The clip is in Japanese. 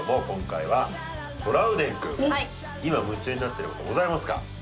今夢中になってることございますか？